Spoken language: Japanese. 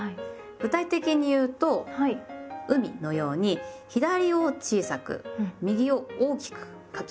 具体的に言うと「海」のように左を小さく右を大きく書きます。